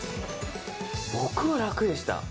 僕は楽でした。